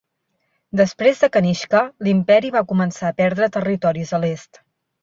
Després de Kanishka, l'imperi va començar a perdre territoris a l'est.